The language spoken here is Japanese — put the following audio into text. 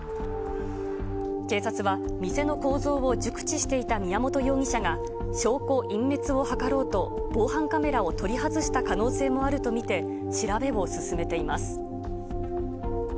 警察は店の構造を熟知していた宮本容疑者が、証拠隠滅を図ろうと、防犯カメラを取り外した可能性もあると見て調べを進めています。